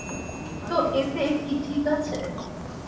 তো এতে কি ঠিক আছে?